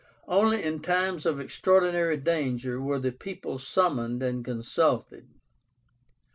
Only in times of extraordinary danger were the people summoned and consulted.